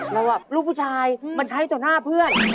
ลูกผู้ชายมันใช้ต่อหน้าเพื่อน